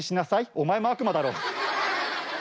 お前も悪魔だろ。